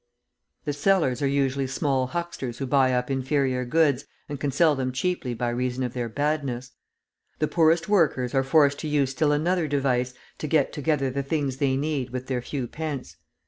The sellers are usually small hucksters who buy up inferior goods, and can sell them cheaply by reason of their badness. The poorest workers are forced to use still another device to get together the things they need with their few pence.